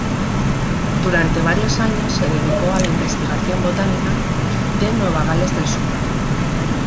Durante varios años se dedicó a la investigación botánica de Nueva Gales del Sur.